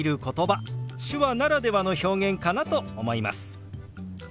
手話ならではの表現かなと思います。